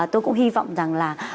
tôi cũng hy vọng rằng là